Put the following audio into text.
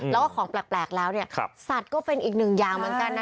แล้วก็ของแปลกแล้วเนี่ยสัตว์ก็เป็นอีกหนึ่งอย่างเหมือนกันนะ